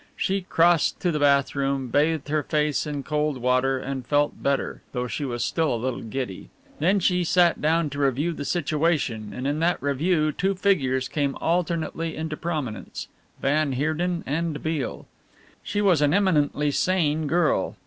She crossed to the bath room, bathed her face in cold water and felt better, though she was still a little giddy. Then she sat down to review the situation, and in that review two figures came alternately into prominence van Heerden and Beale. She was an eminently sane girl.